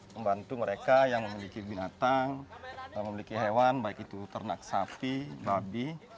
membantu mereka yang memiliki binatang memiliki hewan baik itu ternak sapi babi